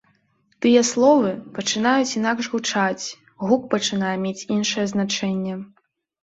Тыя словы пачынаюць інакш гучаць, гук пачынае мець іншае значэнне.